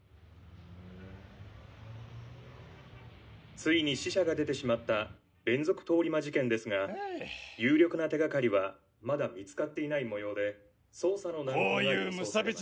遂に死者が出てしまった連続通り魔事件ですが有力な手掛かりはまだ見つかっていない模様で捜査の難航が予想されます。